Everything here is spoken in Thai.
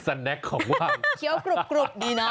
แนคของว่างเคี้ยวกรุบดีนะ